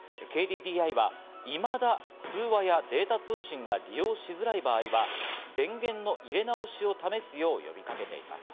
ＫＤＤＩはいまだ通話やデータ通信が利用しづらい場合は、電源の入れ直しを試すよう呼びかけています。